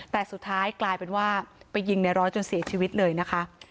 แต่สุดท้ายกลายเป็นว่าไปยิงในร้อยจนเสียชีวิตเลยนะคะ